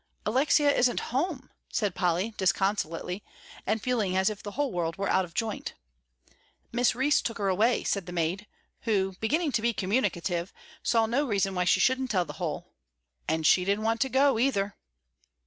"Alexia isn't home," said Polly, disconsolately, and feeling as if the whole world were out of joint. "Miss Rhys took her away," said the maid, who, beginning to be communicative, saw no reason why she shouldn't tell the whole, "and she didn't want to go, either."